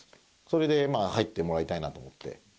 それでまあ入ってもらいたいなと思って。